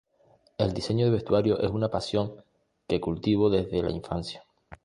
El diseño de vestuario es una pasión que cultivo desde la infancia.